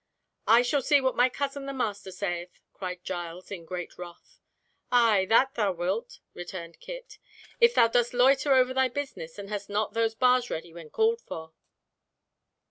"I shall see what my cousin the master saith!" cried Giles in great wrath. "Ay, that thou wilt," returned Kit, "if thou dost loiter over thy business, and hast not those bars ready when called for."